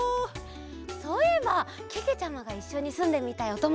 そういえばけけちゃまがいっしょにすんでみたいおともだちは？